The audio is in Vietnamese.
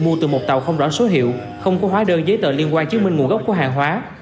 mua từ một tàu không rõ số hiệu không có hóa đơn giấy tờ liên quan chứng minh nguồn gốc của hàng hóa